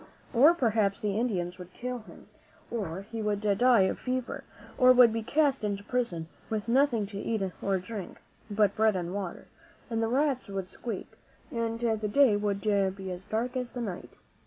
Or perhaps the Indians would kill him, or he would die of a fever, or would be cast into prison, with nothing to eat or drink but bread and water, and the rats would squeak, and the day would be as dark as the night.